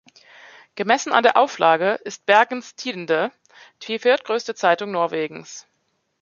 Gemessen an der Auflage ist Bergens Tidende die viertgrößte Zeitung Norwegens.